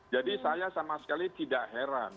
saya sama sekali tidak heran